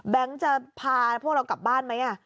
จะพาพวกเรากลับบ้านไหม